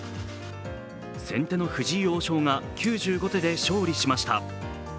先手の藤井王将が９５手で勝利しました。